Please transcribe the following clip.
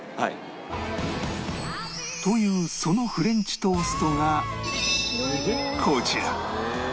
というそのフレンチトーストがこちら